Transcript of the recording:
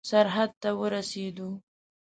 سرحد ته ورسېدو.